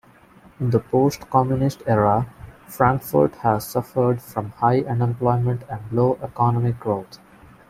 In the post-communist era, Frankfurt has suffered from high unemployment and low economic growth.